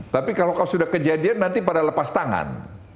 tapi kalau sudah kejadian nanti pada lepas tangan